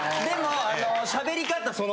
でもしゃべりかた